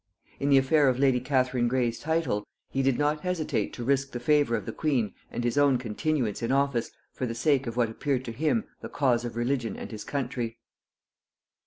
In the affair of lady Catherine Grey's title, he did not hesitate to risk the favor of the queen and his own continuance in office, for the sake of what appeared to him the cause of religion and his country.